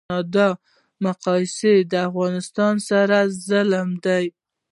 د کانادا مقایسه د افغانستان سره ظلم دی